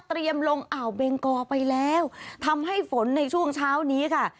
ลงอ่าวเบงกอไปแล้วทำให้ฝนในช่วงเช้านี้ค่ะ